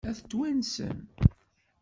Ad t-twansem?